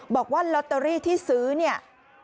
บอกว่าลอตเตอรี่ที่ซื้อเนี่ย